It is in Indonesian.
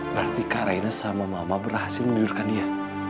berarti kak raina sama mama berhasil menurutkan dia